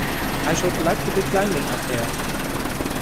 I should like to be climbing up there!